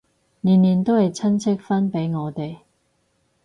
年年都係親戚分俾我哋